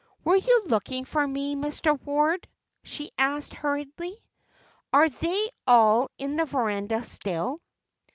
"Were you looking for me, Mr. Ward?" she asked, hurriedly. "Are they all in the verandah still?"